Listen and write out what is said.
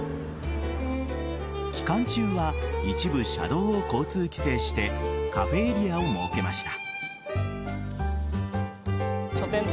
期間中は一部車道を交通規制してカフェエリアを設けました。